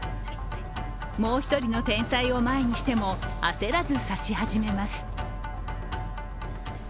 もう一人の天才を前にしても焦らず指し始めます。